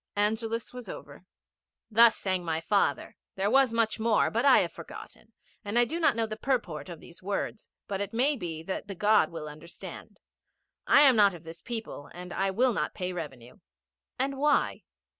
Angelus was over. 'Thus my father sang. There was much more, but I have forgotten, and I do not know the purport of these words, but it may be that the God will understand. I am not of this people, and I will not pay revenue.' 'And why?'